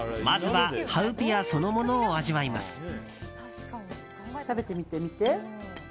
まずはハウピアそのものを味わいます。